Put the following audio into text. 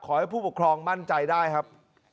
ขอให้ผู้ปกครองมั่นใจได้ครับ